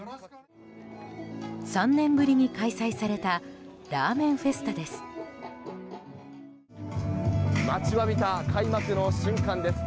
３年ぶりに開催されたラーメンフェスタです。